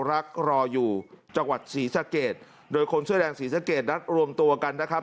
รักรออยู่จังหวัดศรีสะเกดโดยคนเสื้อแดงศรีสะเกดนัดรวมตัวกันนะครับ